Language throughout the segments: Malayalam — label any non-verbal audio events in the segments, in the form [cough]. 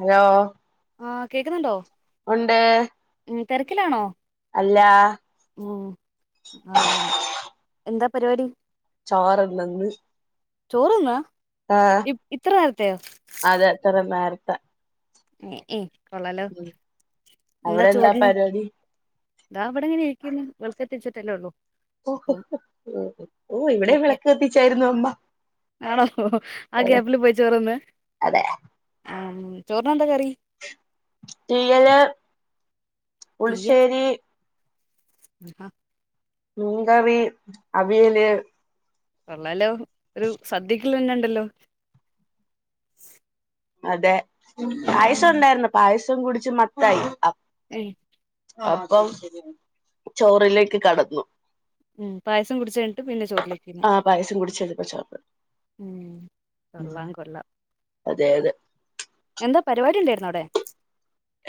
ഹലോ ആഹ് കേക്കുന്നുണ്ടോ ഉണ്ട് ഉം തെരക്കിലാണോ അല്ലാ ഉം ആഹ് ആഹ് എന്താ പരിപാടി ചാറ്ല്ലന്ന് ചോറ്ന്നാ ആഹ് ഇത്ര നേരത്തെയോ അതെ ഇത്ര നേരത്തെ ഏഹ് ഏയ് കൊള്ളാലോ ഉം എന്താ അവിടെ ചോർന്ന് പരിപാടി താ ഇവിടെങ്ങനെരികുന്നു വിൾക്കത്തിച്ചിട്ടല്ലോ ഒള്ളു ഓഹ് ഇവിടെയും ഇരിക്ക വിളക്ക് കത്തിച്ചായിരുന്നു അമ്മ ആണോ ആ അതെ ഗ്യാപ്പില് പോയി ചോറ്ന്ന് അതെ ആം ചോർണ് എന്താ കറി തീയല് തീയൽ പുളിശ്ശേരി അഹാ മീൻകറി അവിയല് കൊള്ളാലോ ഒരു സദ്യക്ക് ഇല്ലെന്നുണ്ടല്ലോ അതെ ഉം ഉം പായസം ഉണ്ടായിരുന്നു പായസം കുടിച്ച് മത്തായി അപ് ഏയ് അപ്പം ചോറിലേക്ക് കടന്നു ഉം പായസം കുടിച്ച് കഴിഞ്ഞിട്ട് പിന്നെ ചോറിലേക്ക് പിന്നെ ആ പായസം കുടിച്ചെടുപ്പ ചോറ് ഉം ഉം. കൊള്ളാം കൊള്ളാം അതെ അതെ എന്താ പരിപാടി ഉണ്ടായിരുന്ന അവ്ടെ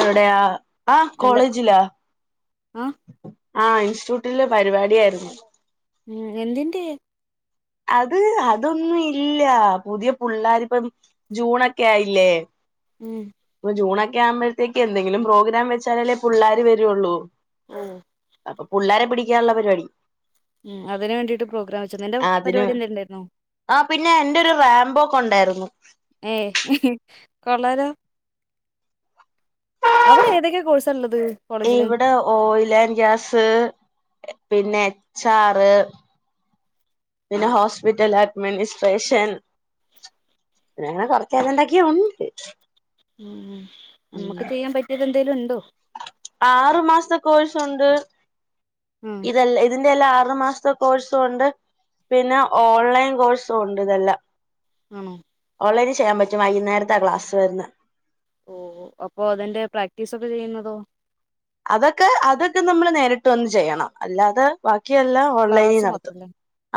എവിടെയാ ആഹ് നല്ല കോളേജിലാ ആഹ് ആഹ് ഇൻസ്റ്റിറ്റ്യൂട്ടില് പരിപാടിയായിരുന്നു ഉം എന്തിന്റെ അത് അതൊന്നും ഇല്ല പുതിയ പിള്ളേരിപ്പ- ജൂണൊക്കെ ആയില്ലേ ഉം ജൂൺക്കെ ആവുമ്പോഴത്തേക്ക് എന്തെങ്കിലും പ്രോഗ്രാം വെച്ചാലേ പിള്ളോര് വരുള്ളൂ ഉം അപ്പൊ പിള്ളാരെ പിടിക്കാനുള്ള പരിപാടി ഉം അതിന് വേണ്ടിട്ട് പ്രോഗ്രാം വെച്ച നിന്റെ ആ അതിന് പരിപാടി എന്തേലും ന്ണ്ടായിരുന്നോ ആ പിന്നെ എന്റെ ഒരു റാമ്പോ ഒക്കെ ഉണ്ടായിരുന്നു ഏയ് കൊള്ളാലോ അവിടെ ഏതൊക്കെയെ കോഴ്സ ഉള്ളത് കോളേജില് ഇവിടെ ഓയിൽ ആൻഡ് ഗ്യാസ് പിന്നെ എച്ച് ആറ് പിന്നെ ഹോസ്പിറ്റൽ അഡ്മിനിസ്ട്രേഷൻ പിന്നെ കൊറച്ച് ഏതാണ്ടൊക്കെ ഉണ്ട് ഉം നമ്മക്ക് ഉം ചെയ്യാൻ പറ്റിയത് എന്തേലും ഉണ്ടോ ആറു മാസത്തെ കോഴ്സുണ്ട് ഉം ഇത് ഇതിന്റെല്ലാം ആറു മാസ- കോഴ്സും ഉണ്ട് പിന്നെ ഓൺലൈൻ കോഴ്സും ഉണ്ട് ഇതെല്ലാം ആണോ ഓൺലൈൻ ചെയ്യാൻ പറ്റും വൈന്നേരത്താണ് ക്ലാസ്സ് വരുന്നേ ഓ അപ്പോ അതിന്റെ പ്രാക്ടീസ് ഒക്കെ ചെയ്യുന്നതോ അതൊക്കെ അതൊക്കെ നമ്മള് നേരിട്ട് വന്ന് ചെയ്യണം അല്ലാതെ ബാക്കിയെല്ലാം ഓൺലൈനി ക്ലാസ് നടത്തും മാത്രല്ലേ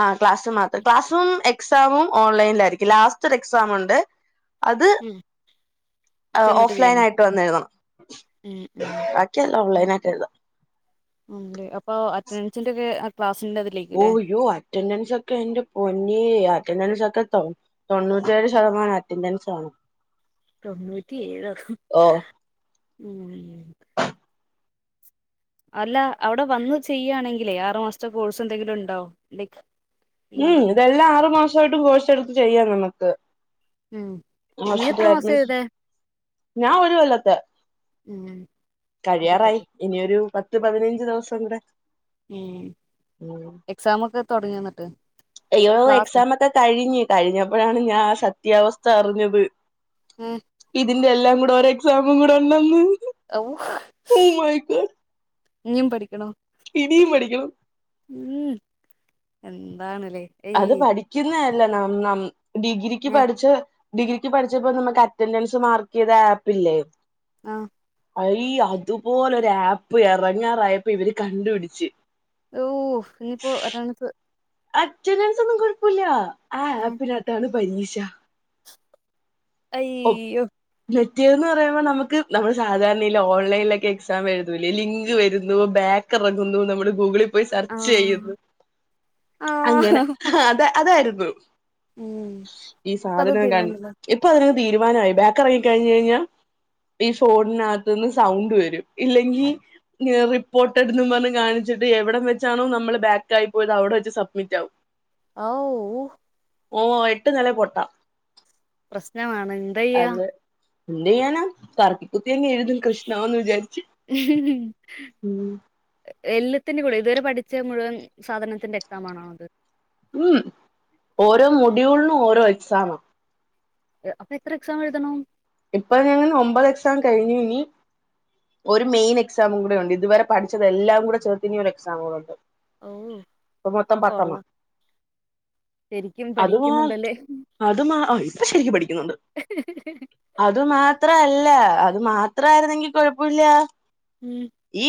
ആഹ് ക്ലാസ് മാത്രം ക്ലാസ്സും എക്സാമും ഓൺലൈനിലായിരിക്കും ലാസ്റ്റ് എക്സാം ഉണ്ട് അത് ഉം ചെന്നിട്ട് ഓഫ് ലൈൻ ചെയ്യണം ആയിട്ട് വന്ന് എഴുതണം ഉം ഉം ഓൺലൈന ആയിട്ട് എഴുതാം ഉണ്ട് അപ്പൊ അറ്റൻഡൻസിന്റെ ഒക്കെ ആ ക്ലാസിന്റെത് ഓയ്യോ അറ്റൻഡൻസ് ഒക്കെന്റെ പൊന്നേ അറ്റൻഡൻസ് ഒക്കെ തോ തൊണ്ണൂറ്റിയേഴ് ശതമാനം അറ്റൻഡൻസ് ആണ് തൊണ്ണൂറ്റിയോ ഓ ഉം അല്ല അവിടെ വന്ന് ചെയ്യണെങ്കിലേ ആറുമാസത്തെ കോഴ്സ് എന്തെങ്കിലും ഉണ്ടാവോ ഉം ഇതെല്ലാം ആറു മാസമായിട്ടും കോഴ്സ് എടുത്ത് ചെയ്യാം നമക്ക് ഉം നീ എത്ര മാസം [unintelligible] ചെയ്തേ ഞാൻ ഒരു കൊല്ലത്ത് ഉം കഴിയാറായി ഇരുപത് ഇനിയൊരു പത്ത് പതിനഞ്ച് ദിവസം കൂടെ ഉം ഉം എക്സമ ഒക്കെ തുടങ്ങിന്നിട്ട് അയ്യോ എക്സാം ഒക്കെ കഴിഞ്ഞു കഴിഞ്ഞപ്പോഴാണ് ഞാൻ സത്യാവസ്ഥ അറിഞ്ഞത് ആഹ് ഇതിന്റെ എല്ലാം കൂടെ ഒരെ എക്സാമും കൂടെ ഉണ്ടന്ന് ഓ ഇഞ്ഞും പഠിക്കണോ ഇനിയും പഠിക്കണം ഉം എന്താണ്ല്ലേ അത് ഏയ് പഠിക്കുന്നല്ല ന ന ഡിഗ്രിക്ക് ഏ പഠിച്ച് ഡിഗ്രിക്ക് പഠിച്ചപ്പോ നമുക്ക് അറ്റൻഡൻസ് മാർക്ക് ചെയ്ത ആപ്പ്ല്ലേ ആഹ് അയ് അതുപോലെ ഒരു ആപ്പ് ഇറങ്ങാറായപ്പോ ഇവര് കണ്ടുപിടിച്ച് ഓ ഇനിയിപ്പോ ഒരാളത് അറ്റന്ൻസൊന്നും കുഴപ്പില്ല ആ ഏ ആപ്പിനകത്താണ് പരീശ അയ്യോ നെറ്റ് ഇയർ എന്ന് പറയുമ്പോൾ നമുക്ക് നമ്മൾ സാധാരണയില്ല ഓൺലൈനിലൊക്കെ എക്സാം എഴുതലേ ലിങ്ക് വരുന്നു ബാക്ക് റങ്ങുന്നു നമ്മൾ ഗൂഗിള് പോയി ആ സെർച്ച് ചെയ്യുന്നു ആ അങ്ങനെ അത അതായിരുന്നു ഉം ഈ ഇപ്പ അത് സാധനം ക തീരുമാനിച്ചല്ലോ ഇപ്പൊ അതിനൊരു തീരുമാനമായി ബാക്ക് ഇറങ്ങ കഴിഞ് കഴിഞ്ഞാ ഈ ഫോണിനകത്തുന്ന് സൗണ്ട് വരും ഇല്ലെങ്കിൽ റിപ്പോർട്ടട് ന്ന് പറഞ് കാണിച്ചിട്ട് എവിടെ വെച്ചാണോ നമ്മള് ബാക്ടായ് പോയത് അവിടെ വെച്ച് സബ്മിറ്റ് ആവും ആ വോ ഹോ ഓ എട്ട് നില പൊട്ടാം പ്രശ്നമാണ് ചെയ്യാ അത് എന്ത് ചെയ്യാനാ കറക്കിക്കുത്തി അങ്ങെഴുതും കൃഷ്ണന്ന് വിചാരിച്ച് ഉം എല്ലത്തിന്റെ കൂടി ഇതുവരെ പഠിച്ച മുഴുവൻ സാധനത്തിന്റെ എക്സാം ആണോ അത് ഉം ഓരോ മോടുള്ണും ഓരോ എക്സാംമാ അപ്പൊ എത്ര എക്സാം എഴുതണം ഇപ്പൊ ഞങ്ങൾ ഒമ്പത് എക്സാം കഴിഞ്ഞു ഇനി ഒരു മെയിൻ എക്സാം കൂടെ ഉണ്ട് ഇതുവരെ പഠിച്ചതല്ലാം കൂടെ ചെറുത്തിനി ഒരു എക്സാമും കൂടെ ഉണ്ട് അഹു ഇപ്പൊ മൊത്തം പത്തെണ്ണം കൊള്ളാം ശരിക്കും അത് മാ പഠിക്കുന്നുണ്ടല്ലേ അത് മാ അ ഇപ്പ ശരിക്കും പഠിക്കുന്നുണ്ട് [unintelligible] അത് മാത്ര അല്ല അത് മാത്ര ആയി രുന്നെങ്കിൽ കൊഴപ്പല്ലിയ ഉം ഈ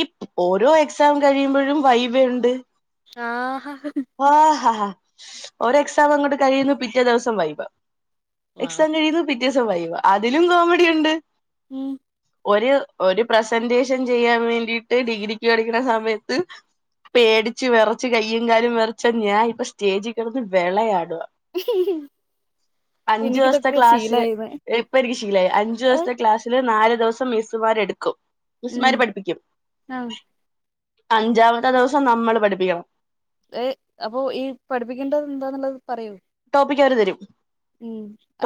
ഓരോ എക്സാം കഴിയുമ്പോഴും വൈവെണ്ട് [unintelligible] ഹാ ഹ ഹ ഒര് എക്സാം അങ്ങോട്ട് കഴിയുന്നു പിറ്റേ ദിവസം വൈബ വാവ് എക്സാം കഴിയുന്നു പിറ്റേസം വൈവ അതിലും കോമഡി ഉണ്ട് ഉം ഒരു ഒരു പ്രസന്റേഷൻ ചെയ്യാൻ വേണ്ടിയിട്ട് ഡിഗ്രിക്ക് പടിക്കുന്ന സമയത്ത് പേടിച്ച് വിറച്ച് കയ്യും കാലം വിറച്ചാ ഞാൻ ഇപ്പ സ്റ്റേജിൽ കിടന്ന് വിളയാടുക അൻജോസ് ത്തെ എനിക്കിതൊക്കെ ക്ലാസ്സില് ശീലായിന്ന് ഇപ്പനിക് ശീലായി അഞ്ചു ഏഹ് ദിവസത്തെ ക്ലാസ്സില് നാല് ദിവസം മിസ്സുമാര് എടുക്കും ഉം മിസ്മാര് പഠിപ്പിക്കും ആഹ് അഞ്ചാമത്തെ ദിവസം നമ്മൾ പഠിപ്പിക്കണം ഏ അപ്പൊ ഈ പഠിപ്പിക്കേണ്ടത് എന്താന്നുള്ളത് പറയോ ടോപ്പിക്കവര് തരും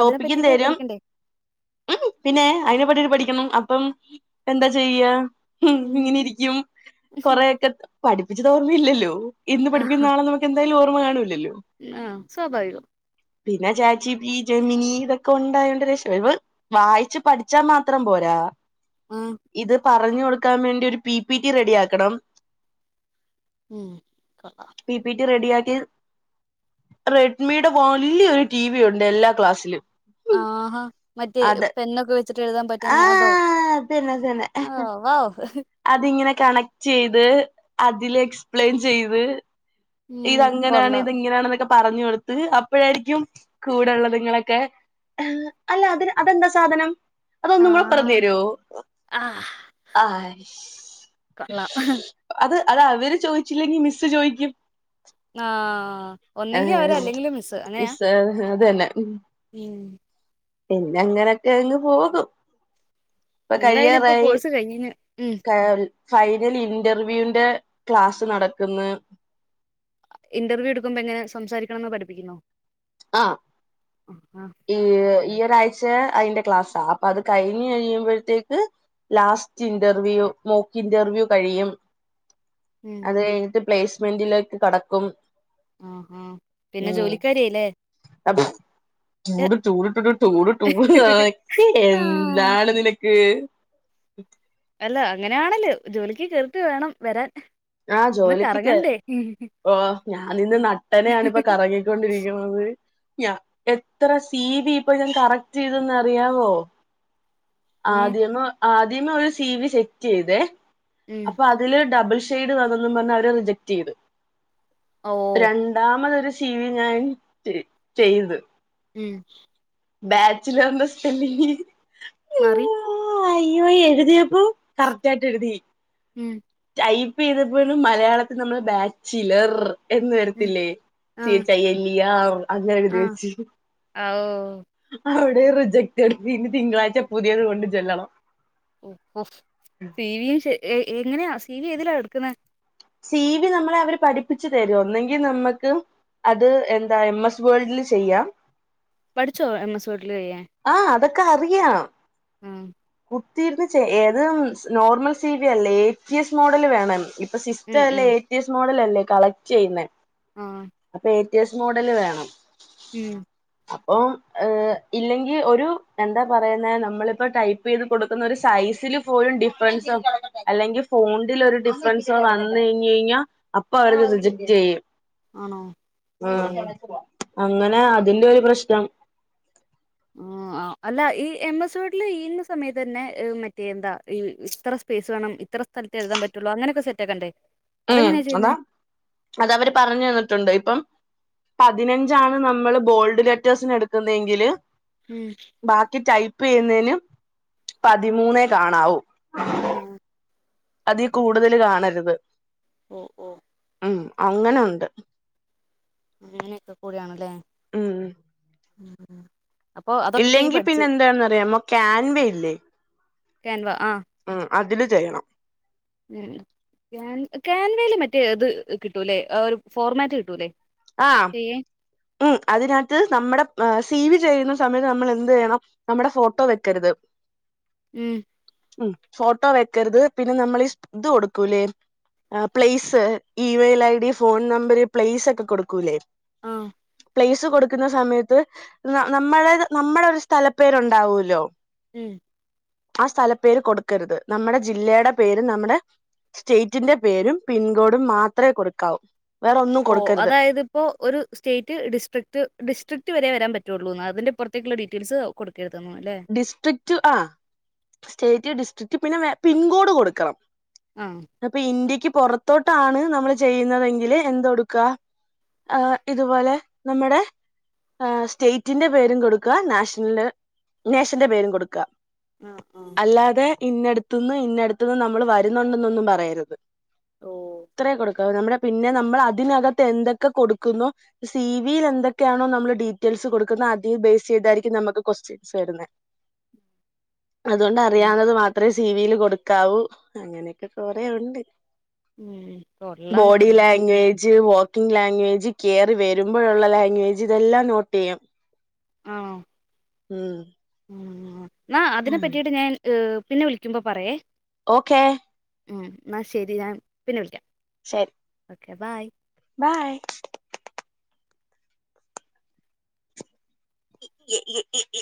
അതിനെ പറ്റിട്ട് തരും പഠിക്കണ്ടേ ഉം പിന്നെ അയിന് പറ്റിട്ട് പഠിക്കണം അപ്പം എന്താ ചെ യ്യാ ഉം ഇങ്ങനെ ഇരിക്കും കൊറെക്കെ പഠിപ്പിച്ചതോർമ്യില്ലല്ലോ ഇന്ന് പഠിപ്പിക്കും ന്നാള നോ എന്തായാലും ഓർമ്മ കാണുല്ലല്ലോ. ആ സ്വാഭാവികം പിന്നെ ചാറ്റ് ജിബി ജെമിനി ഇതൊക്കെ ഉണ്ടായോൻണ്ട രക്ഷ വായിച്ചു പഠിച്ചാ മാത്രം പോരാ. ആഹ് ഇത് പറഞ്ഞു കൊടുക്കാൻ വേണ്ടി ഒരു പി പി റ്റി റെഡി ആക്കണം. മ് കാ പി പിറ്റി റെഡി ആക്കി റെ മിയുടെ വലിയ ഒരു ടി വി ഉണ്ട് എല്ലാ ക്ലാസ്സിലും. ആഹാ മറ്റേ അത് പെന്നൊക്കെ വെച്ചിട്ട് എഴുതാൻ പറ്റുന്ന അതോ ആഹ് അതന്നെ അതന്നെ ആ വാ അതിങ്ങനെ കണക്ട് ചെയ്ത് അതില് എക്സ്പ്ലെയിൻ ചെയ്ത്. ഉം ഇത് അങ്ങനെയാണ് കൊള്ളാം ഇത്ങ്ങനെയണെന്നൊക്കെ പറഞ്ഞു കൊടുത്ത് അപ്പോഴായിരിക്കും കൂടെള്ളതുങ്ങളൊക്കെ അല്ല അത് അതെന്താ സാധനം? അതൊന്നകൂടെ പറഞ്ഞു ആഹ് തരോ ആഹ് ആ കൊള്ളാം അത് അത് അവര് ചോദിച്ചില്ലെങ്കിൽ മിസ്സ് ചോദിക്കും. ആ ഒന്നെങ്കിൽ അവര് ഏഹ് അല്ലെങ്കിൽ മിസ്സ് അങ്ങനെയാ അത് തന്നെ പിന്നെ അങ്ങനൊക്കെ അങ് പോകും. ഇപ്പൊ എന്തായാലും ഇപ്പൊ കഴിയാറായി കോഴ്സ് കഴിഞ്ഞിന് ഉം ക ഫൈനൽ ഇന്റർവ്യൂവിന്റെ ക്ലാസ് നടക്ക്ന്ന്. ഇന്റർവ്യൂ എടുക്കുമ്പോ എങ്ങനെ സംസാരിക്കണമെന്ന് പഠിപ്പിക്കുന്നോ? ആഹ്‌ ആ ഈ ഈ ഒരാഴ്ച അതിന്റെ ക്ലാസ്സാ അപ്പൊ അത് കഴിഞ്ഞ് കഴിയുമ്പോഴത്തേക്ക് ലാസ്റ്റ് ഇന്റർവ്യൂ മോക്ക് ഇന്റർവ്യൂ കഴിയും. [inaudible] അത് കഴിഞ്ഞിട്ട് പ്ലേസ്മെന്റിലേക്ക് കടക്കും. ആ ആ പിന്നെ ജോലിക്കാരിയായില്ലേ? അതെ- ചൂടു ചൂടു ടൂടു ക്കെ എന്താണ് നിനക്ക്? അല്ല അങ്ങനെയാണല്ലേ ജോലിക്ക് കേറിട്ട് വേണം വരാൻ. ആ ഒന്ന് ജോലിക്ക് കേ കറങ്ങണ്ടേ ഓ ഞാനിന്ന് നട്ടന ആണ ഇപ്പൊ കറങ്ങി ക്കുന്നത് എത്ര സി ബി ഇപ്പൊ ഞാൻ കറക്ട് ചെയ്തന്നറിയാവോ? ഏ ആദ്യം ആദ്യം ഒരു സി വി സെറ്റ് ചെയ്തേ ഉം അപ്പൊ അ അതില് ഡബിൾഷെയ്ഡ് വന്നണ് പറഞ് അവര് റിജക്ട് ചെയ്തു ഓ രണ് രണ്ടാമത് ഒരു സീ വി ഞാൻ ചെയ്തു. ഉം ബാച്ചിലർന്റെ സ്പെല്ലിങ് മറി ആ അയ്യോ എഴുതിയപ്പൊ കറക്റ്റ് ആയിട്ട് എഴുതി. ഉം ടൈപ്പ് ചെയ്തപ്പോലും മലയാളത്തിൽ നമ്മള് ബാച്ചിലർ. എന്ന് ഉം വരത്തില്ലേ ആഹ് ചേച്ചയ്യല്ലിയ അങ്ങനെ എഴുതി ആഹ് വെച്ച്. ആ ഹൗ അവിടെ റിജക്ട് പിന്നിം തിങ്കളാഴ്ച പുതിയത് കൊണ്ട് ചെല്ലണം. ഓ സി വിയും എങ്ങനെയാ സി വി ഏതിലാ എടുക്കുന്ന? സി വി നമ്മളെ അവര് പഠിപ്പിച് തരും ഒന്നെങ്കിൽ നമ്മക്ക് അത് എന്താ എം സ് വേൾഡിൽ ചെയ്യാം പഠിച്ചോ എം എസ് വേടിൽ ചെയ്യാൻ ആഹ് അതൊക്കെ അറിയാം ഉം കുത്തിയിരുന്ന് ചെ ഏത് നോർമൽ സിബി അല്ലേ എ ടി എസ് മോഡൽ വേണം ഇപ്പം ഉം സിസ്റ്റം എല്ലാം ഉം എ ടി എസ് മോഡൽ അല്ലേ കളക്ട് ചെയ്യുന്ന ആഹ് അപ്പൊ എ ടി എസ് മോഡല് വേണം ഉം അപ്പോ ഏഹ് ഇല്ലെങ്കിൽ ഒരു എന്താ പറയുന്ന നമ്മളിപ്പോ ടൈപ്പ് ചെയ്ത് കൊടുക്കുന്ന ഒരു സൈസില് പോലും ഡിഫൻസ് അല്ലെങ്കിൽ ഫോണ്ടിൽ ഒരു ഡിഫൻസോ വന്ന് കഴിഞ്ഞ് കഴിഞ്ഞാൽ അപ്പൊ അവരത് റിജക്ട് ചെയ്യും ആണോ ഓ ഉം അങ്ങനെ അതിന്റെ ഒരു പ്രശ്നം ആഹ് ആഹ് അല്ല ഈ എം സ് വെഡില് ഈന്ന സമയത്ത് തന്നെ മറ്റേ എന്താ ഇത്ര സ്പേസ് വേണം ഇത്ര സ്ഥലത്തെ എഴുതാൻ പറ്റുള്ളു അങ്ങനൊക്കെ സെറ്റാക്കണ്ടേ ഉം അതെങ്ങനെയാ അതാ ചെയ്യുന്നേ അത് അവര് പറഞ്ഞു തന്നിട്ടുണ്ട് ഇപ്പം പതിനഞ്ചാണ് നമ്മള് ബോൾഡ് ലെറ്റേഴ്സിന് എടുക്കുന്നതെങ്കില് ഉം ബാക്കി ടൈപ്പ് ചെയ്യുന്നേനും പതിമൂന്നേ കാണാവൂ ആഹ് അതി കൂടുതൽ കാണരുത് ഓഹ് ഓഹ് ഉം അങ്ങനൊണ്ട് അങ്ങനൊക്കെ കൂടിയാണല്ലേ ഉം ഉം അപ്പൊ അതൊക്കെ ഈ ഇല്ലെങ്കിൽ പിന്നെ പഠിച്ച് എന്താന്നറിയാമോ കാൻവേ ഇല്ലേ ക്യാൻവാ ആഹ് ഉം അതില് ചെയ്യണം ഉം ക്യാ ക്യാൻവേല് മറ്റേ അത് കിട്ടൂല്ലെ ഒരു ഫോർമാറ്റ് കിട്ടൂല്ലേ ആഹ് ചെയ്യാൻ ഉം അതിനാത്ത് നമ്മുടെ സി വി ചെയ്യരുന്ന സമയത്ത് നമ്മള് എന്ത് ചെയ്യണം നമ്മുടെ ഫോട്ടോ വെക്കരുത് ഉം ഉം ഫോട്ടോ വെക്കരുത് പിന്നെ നമ്മള് ഇത് കൊടുക്കൂല്ലേ place email I D phone number place ഒക്കെ കൊടുക്കൂല്ലേ ആഹ് പ്ലേസ് കൊടുക്കുന്ന സമയത്ത് നമ്മള നമ്മടെ ഒരു സ്ഥല പേരുണ്ടാവൂല്ലോ ഉം ആ സ്ഥല പേര് കൊടുക്കരുത് നമ്മുടെ ജില്ലയുടെ പേര് നമ്മുടെ സ്റ്റേറ്റിന്റെ പേരും പിൻകോഡും മാത്രമേ കൊടുക്കാവൂ വേറെ ഒന്നും ഓ കൊടുക്കരുത് അതായത് ഇപ്പോ ഒരു സ്റ്റേറ്റ് ഡിസ്ട്രിക്ട് ഡിസ്ട്രിക്റ്റ് വരെ വരാൻ പറ്റുള്ളൂ എന്ന് അതിന്റെ പുറത്തേക്കുള്ള ഡീറ്റെയിൽസ് ആകും കൊടുക്കരുതന്ന് അല്ലെ ഡിസ്ട്രിക്റ്റ് ആ സ്റ്റേറ്റ് ഡിസ്ട്രിക്ട് പിന്നെ പിൻ കോഡ് കൊടുക്കണം ആഹ് അപ്പൊ ഇന്ത്യക്ക് പോറത്തോട്ടാണ് നമ്മള് ചെയ്യുന്നതെങ്കില് എന്ത്‌ കൊടുക്ക ആഹ് ഇതുപോലെ നമ്മുടെ ആ സ്റ്റേറ്റിന്റെ പേരും കൊടുക്ക നാഷണല്. നാഷന്റെ പേരും കൊടുക്കാ. ആഹ്. അല്ലാതെ ഇന്നെടുത്തുന്ന് ഇന്നെടുത്തുന്ന് നമ്മൾ വരുന്നുന്നോന്നൊന്നും പറയരുത്. ഓ ത്രയ കൊടുക്ക നമ്മുടെ പിന്നെ നമ്മൾ അതിനകത്ത് എന്തൊക്കെ കൊടുക്കുന്നു. സി വിയി ന്തൊക്കെയാണോ നമ്മള് ഡീറ്റെയിൽസ് കൊടുക്കുന്ന അതി ബേസ് യ്തായിരിക്കും നമക്ക് കൊസ്റ്റ്യൻ. ത്യൻ വരുന്നേ അതുകൊണ്ട് ഉം അറിയാവ്ന്നെ മാത്രെ സിവിൽ കൊടുക്കാവൂ അങ്ങനെയൊക്കെ കൊറെേ ഉണ്ട്. ഉം കൊള്ളാം ബോഡി കൊള്ളാം ലാംഗവേ വോക്കിംഗ് ലാംഗ്വേജ് കേറി വെരുമ്പോഴുള്ള ലാംഗ്വേജ് ഇതെല്ലാം നോട്ട് യ്യും. ആണോ. ഉം. ഉം ന്നാ അതിനെ പറ്റിയിട്ട് ഞാൻ ഏഹ് പിന്നെ വിളിക്കുമ്പോ പറയേ? ഓക്കെ ഉം, ന്നാൽ ശരി ഞാൻ പിന്നെ വിളിക്കാം. ശരി. Okay bye. ബായ്. [unintelligible]